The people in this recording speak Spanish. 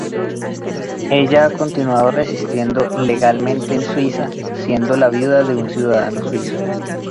Ella ha continuado residiendo legalmente en Suiza, siendo la viuda de un ciudadano suizo.